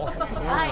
はい。